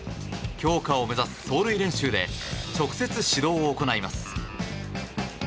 強化を目指す走塁練習で直接指導を行います。